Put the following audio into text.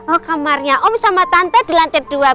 oh kamarnya om sama tante di lantai dua